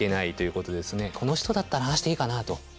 この人だったら話していいかなと。